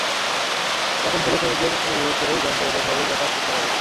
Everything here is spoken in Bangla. তখন থেকে শ্রমিকদের অনুরোধ করেই যান চলাচল স্বাভাবিক রাখার চেষ্টা করা হচ্ছে।